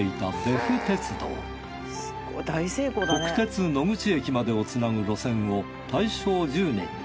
国鉄野口駅までをつなぐ路線を大正１０年に。